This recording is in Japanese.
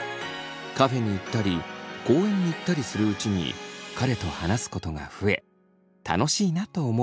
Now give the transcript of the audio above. カフェに行ったり公園に行ったりするうちに彼と話すことが増え楽しいなと思うようになりました。